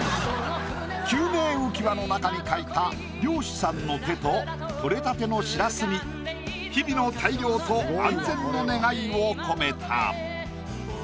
救命浮輪の中に描いた漁師さんの手と取れたてのしらすに日々の大漁と安全の願いを込めた。